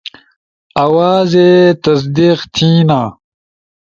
آوازے تصدیق تھینا